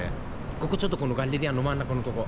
ここちょっとこのガッレリアの真ん中のとこ。